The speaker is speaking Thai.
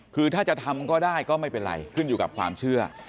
คือถ้าจะทำก็ได้ก็ไม่เป็นไรขึ้นอยู่กับความเชื่อ